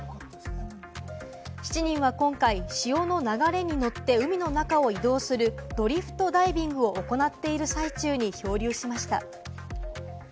７人は今回、潮の流れに乗って海の中を移動するドリフトダイビングを行っている最中に漂流しました。